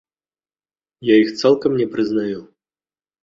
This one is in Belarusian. Я іх цалкам не прызнаю.